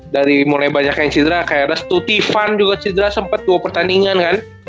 dari mulai banyak yang cedra kayak ada stutivan juga cedra sempet dua pertandingan kan